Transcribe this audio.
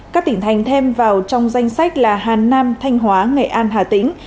các tỉnh thành thêm vào trong danh sách là hà nam thanh hóa nghệ an hà tĩnh